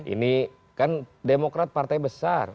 ini kan demokrat partai besar